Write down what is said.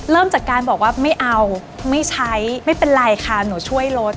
เริ่มจากการบอกว่าไม่เอาไม่ใช้ไม่เป็นไรค่ะหนูช่วยรถ